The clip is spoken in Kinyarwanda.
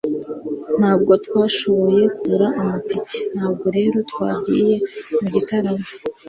ntabwo twashoboye kugura amatike, ntabwo rero twagiye mu gitaramo